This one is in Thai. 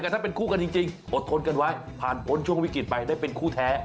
แต่ถ้าเป็นคู่กันจริงอดทนกันไว้ผ่านพ้นช่วงวิกฤตไปได้เป็นคู่แท้